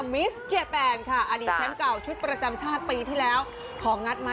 มาร้านหรือยัง